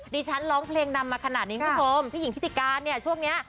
ดิฉันร้องเพลงนำมาขนาดนี้คุณผู้หญิงพนินทิศการช่วงเนี่ย